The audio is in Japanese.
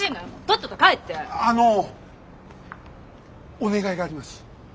お願いがあります。